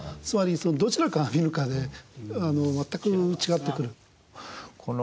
つまりどちらから見るかで全く違ってくる。